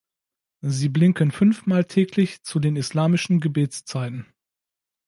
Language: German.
Sie blinken fünfmal täglich zu den islamischen Gebetszeiten.